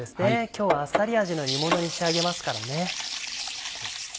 今日はあっさり味の煮物に仕上げますからね。